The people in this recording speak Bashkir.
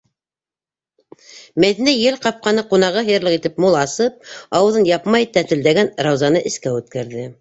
Мәҙинә, ел ҡапҡаны ҡунағы һыйырлыҡ итеп мул асып, ауыҙын япмай тәтелдәгән Раузаны эскә үткәрҙе.